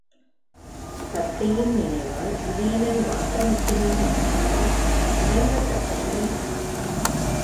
தத்தையின் நினைவால் உதயணன் வாட்ட முற்றிருந்த காட்சி இரங்கத்தக்கதாயிருந்தது.